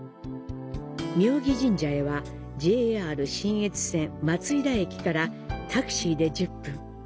妙義神社へは、ＪＲ信越線松井田駅からタクシーで１０分。